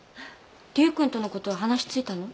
竜君とのことは話ついたの？